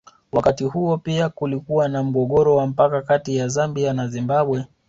Wakati huo pia kulikuwa na mgogoro wa mpaka kati ya Zambia na Zimbabwe